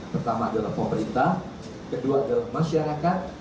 pertama adalah pemerintah kedua adalah masyarakat